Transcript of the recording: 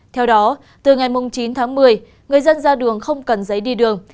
theo đó từ ngày chín tháng một mươi người dân ra đường không cần giấy đi đường